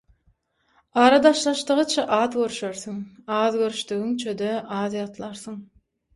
Ara daşlaşdygyça az görüşersiň, az görüşdigiňçe-de az ýatlarsyň.